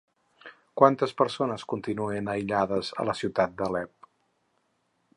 Quantes persones continuen aïllades a la ciutat d'Alep?